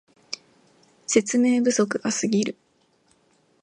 説明不足がすぎる